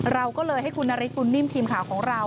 เราก็เลยให้คุณนฤทธบุญนิ่มทีมข่าวของเรา